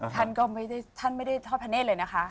ท่านก็ไม่ได้ท่านไม่ได้ทอดพระเนธเลยนะคะ